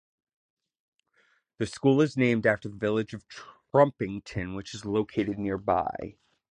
The school is named after the village of Trumpington which is located nearby.